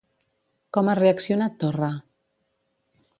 Com ha reaccionat Torra?